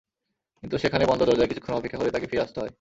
কিন্তু সেখানে বন্ধ দরজায় কিছুক্ষণ অপেক্ষা করে তাঁকে ফিরে আসতে হয়।